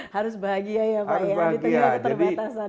harus bahagia ya pak ya di tengah keterbatasan